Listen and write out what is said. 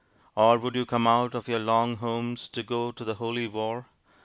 Or would you come out of your long homes to go to the Holy War?